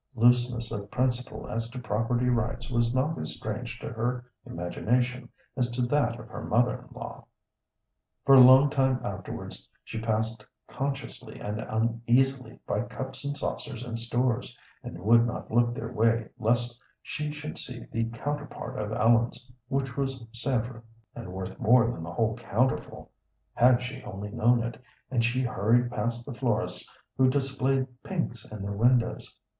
Looseness of principle as to property rights was not as strange to her imagination as to that of her mother in law. For a long time afterwards she passed consciously and uneasily by cups and saucers in stores, and would not look their way lest she should see the counterpart of Ellen's, which was Sèvres, and worth more than the whole counterful, had she only known it, and she hurried past the florists who displayed pinks in their windows.